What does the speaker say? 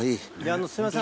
すいません